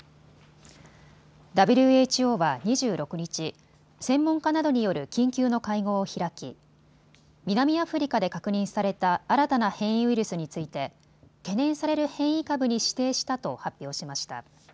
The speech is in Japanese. ＷＨＯは２６日、専門家などによる緊急の会合を開き南アフリカで確認された新たな変異ウイルスについて懸念される変異株に指定したと発表しました。